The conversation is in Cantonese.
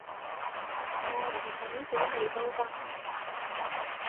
我唔整蠱你都得